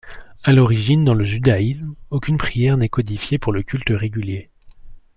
À l’origine, dans le judaïsme, aucune prière n’est codifiée pour le culte régulier.